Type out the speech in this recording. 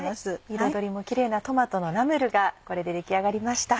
彩りもキレイな「トマトのナムル」がこれで出来上がりました。